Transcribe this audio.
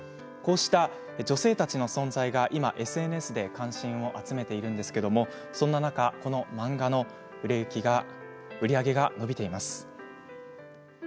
こうした女性たちの存在が今ＳＮＳで関心を集めているんですけれども、そんな中この漫画の売り上げが伸びています。